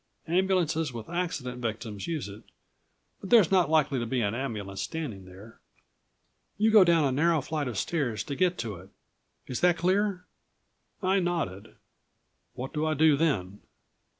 Ambulances with accident victims use it, but there's not likely to be an ambulance standing there. You go down a narrow flight of stairs to get to it. Is that clear?" I nodded. "What do I do then?"